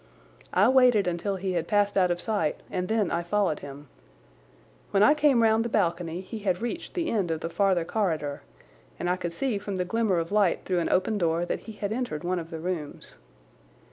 I waited until he had passed out of sight and then I followed him. When I came round the balcony he had reached the end of the farther corridor, and I could see from the glimmer of light through an open door that he had entered one of the rooms.